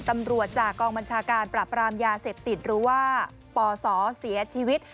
ตำรวจจากกองบัญชาการปราบรามยาเสพติดหรือว่าปศเสียชีวิต